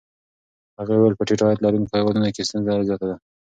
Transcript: هغې وویل په ټیټ عاید لرونکو هېوادونو کې ستونزه زیاته ده.